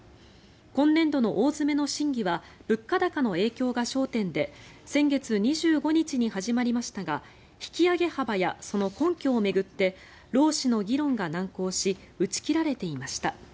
今年度の大詰めの審議は物価高の影響が焦点で先月２５日に始まりましたが引き上げ幅やその根拠を巡って労使の議論が難航し打ち切られていました。